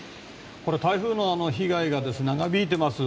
台風の被害が長引いています。